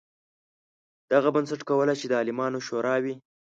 دغه بنسټ کولای شي د عالمانو شورا وي.